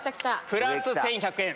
プラス１１００円。